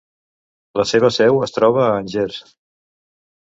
La seva seu es troba a Angers.